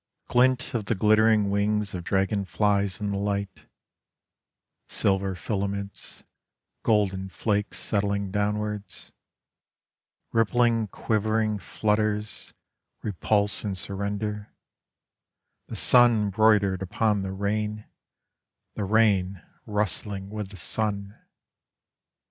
Glint of the glittering wings of dragon flies in the light: Silver filaments, golden flakes settling downwards, Rippling, quivering flutters, repulse and surrender, The sun broidered upon the rain, The rain rustling with the sun.